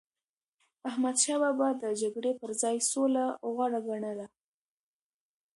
احمدشاه بابا به د جګړی پر ځای سوله غوره ګڼله.